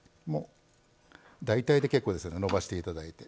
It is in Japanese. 大体で結構ですので伸ばしていただいて。